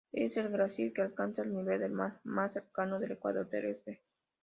Es el glaciar que alcanza el nivel del mar más cercano al ecuador terrestre.